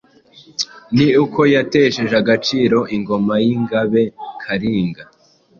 ni uko yatesheje agaciro ingoma y’ingabe Kalinga.